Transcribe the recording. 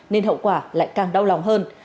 nên hậu quả lại càng đau lòng hơn